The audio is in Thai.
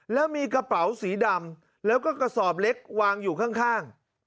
แล้วมีกระเป๋าสีดำแล้วก็กระสอบเล็กวางอยู่ข้าง